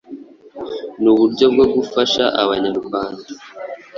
N’uburyo bwo gufasha abanyarwanda